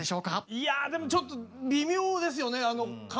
いやでもちょっと微妙ですよね。